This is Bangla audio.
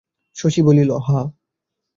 শশী বলিল, হ্যা।